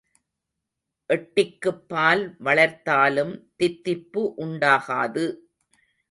எட்டிக்குப் பால் வளர்த்தாலும் தித்திப்பு உண்டாகாது.